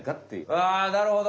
あなるほど！